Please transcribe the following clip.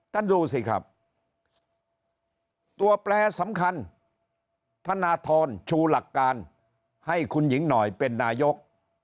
ท่านดูสิครับตัวแปลสำคัญธนทรชูหลักการให้คุณหญิงหน่อยเป็นนายก